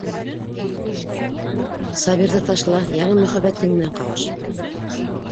Сабирҙы ташла, яңы мөхәббәтең менән ҡауыш.